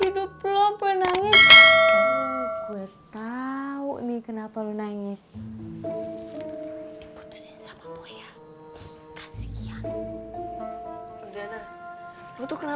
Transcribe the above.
boya diputusin lah